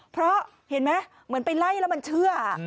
เพราะเห็นไหมเหมือนไปไล่แล้วมันเชื่อ